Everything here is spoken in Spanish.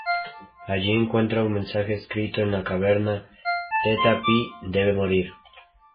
Allí encuentra un mensaje escrito en la caverna: "Theta Pi debe morir".